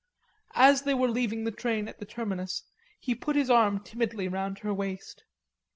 As they were leaving the train at the terminus, he put his arm timidly round her waist.